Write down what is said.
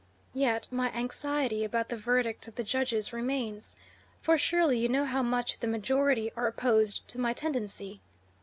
Yet my anxiety about the verdict of the judges remains, for surely you know how much the majority are opposed to my tendency.